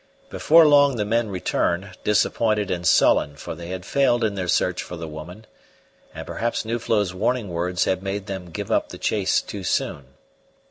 Before long the men returned, disappointed and sullen, for they had failed in their search for the woman; and perhaps Nuflo's warning words had made them give up the chase too soon.